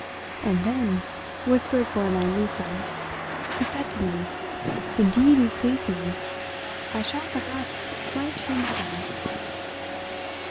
"And then," whispered Fräulein Lisa, "he said to me, 'Indeed you please me. I shall, perhaps, write to your mother.